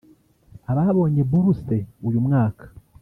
Ababonye buruse uyu mwaka